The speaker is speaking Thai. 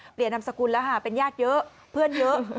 นามสกุลแล้วค่ะเป็นญาติเยอะเพื่อนเยอะ